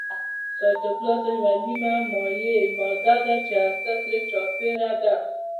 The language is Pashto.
سایتوپلازم یوه نیمه مایع ماده ده چې هسته ترې چاپیره ده